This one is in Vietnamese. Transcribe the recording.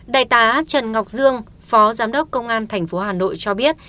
đại tá trần ngọc dương phó giám đốc công an thành phố hà nội cho biết